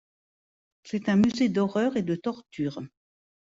C'est un musée d'horreur et de torture.